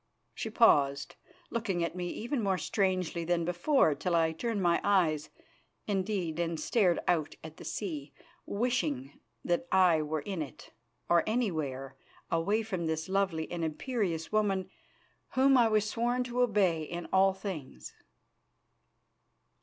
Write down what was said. She paused, looking at me even more strangely than before, till I turned my eyes, indeed, and stared out at the sea, wishing that I were in it, or anywhere away from this lovely and imperious woman whom I was sworn to obey in all things.